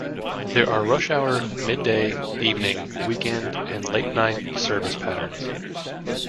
There are rush-hour, midday, evening, weekend and late night service patterns.